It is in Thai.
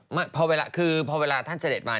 ไม่พอเวลาคือพอเวลาท่านเสด็จมา